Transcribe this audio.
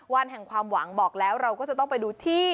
วันแห่งความหวังบอกแล้วเราก็จะต้องไปดูที่